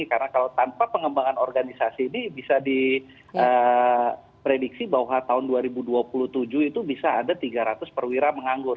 karena kalau tanpa pengembangan organisasi ini bisa diprediksi bahwa tahun dua ribu dua puluh tujuh itu bisa ada tiga ratus perwira menganggur